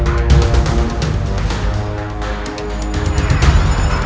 belum lagi tuh ada siotir di dia